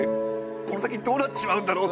この先どうなっちまうんだろうって。